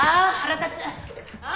ああ！